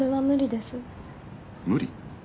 無理？